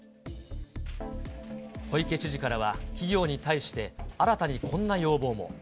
小池知事からは企業に対して、新たにこんな要望も。